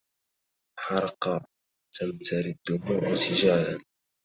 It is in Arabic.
حرق تمتري الدموع سجالا